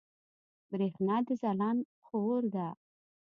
برېښنا د ځلاند خور ده